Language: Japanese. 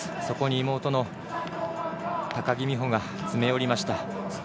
そこに妹の高木美帆が詰め寄りました。